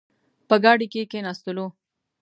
په ګاډۍ کې کښېناستلو.